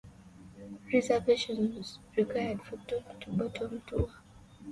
Reservations required for top to bottom tour.